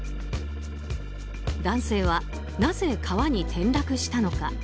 男性はなぜ川に転落したのか。